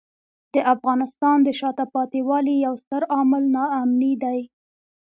د افغانستان د شاته پاتې والي یو ستر عامل ناامني دی.